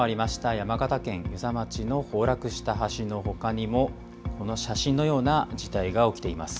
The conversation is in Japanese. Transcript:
山形県遊佐町の崩落した橋のほかにも、この写真のような事態が起きています。